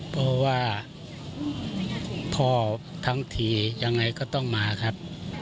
เพราะว่าพ่อทั้งทียังไงก็ต้องมาครับ